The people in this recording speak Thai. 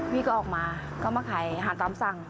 พี่ก็ออกมาก็มาขายอาหารตามสั่ง